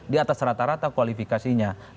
di atas rata rata kualifikasinya